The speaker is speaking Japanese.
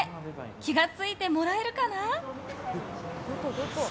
気が付いてもらえるかな？